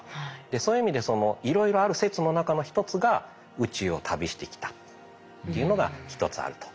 そういう意味でいろいろある説の中の一つが宇宙を旅してきたというのが一つあると。